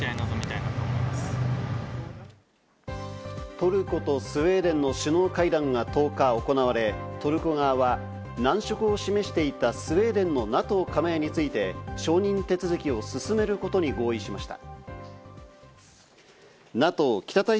トルコとスウェーデンの首脳会談が１０日、行われ、トルコ側は難色を示していたスウェーデンのＮＡＴＯ加盟について、承認手続きを進めることに合意しました。